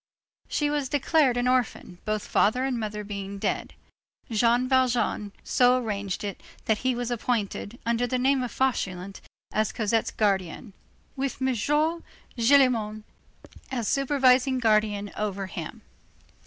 She was declared an orphan, both father and mother being dead. Jean Valjean so arranged it that he was appointed, under the name of Fauchelevent, as Cosette's guardian, with M. Gillenormand as supervising guardian over him.